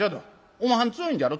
おまはん強いんじゃろ？